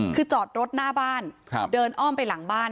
คือจอดรถหน้าบ้านเดินอ้อมไปหลังบ้าน